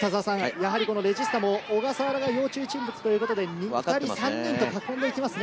やはりレジスタも小笠原が要注意人物ということで２人、３人と囲んで行きますね。